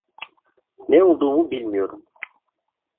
Ne olduğumu bilmiyorum.